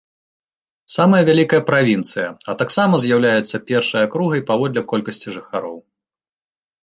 Самая вялікая правінцыя, а таксама з'яўляецца першай акругай паводле колькасці жыхароў.